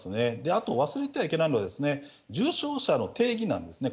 あと、忘れてはいけないのが、重症者の定義なんですね。